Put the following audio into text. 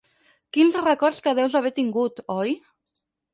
Quins records que deus haver tingut, oi?